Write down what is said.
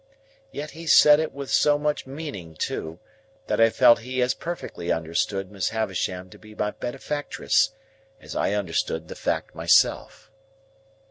Yet he said it with so much meaning, too, that I felt he as perfectly understood Miss Havisham to be my benefactress, as I understood the fact myself.